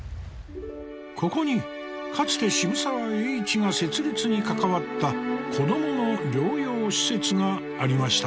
ここにかつて渋沢栄一が設立に関わった子どもの療養施設がありました。